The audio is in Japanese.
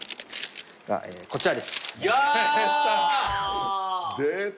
こちらです出た！